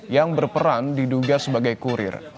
yang berperan diduga sebagai kurir